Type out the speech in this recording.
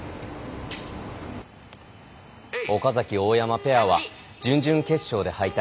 岡崎・大山ペアは準々決勝で敗退。